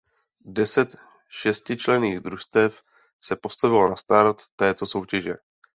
Deset šestičlenných družstev se postavilo na start této soutěže.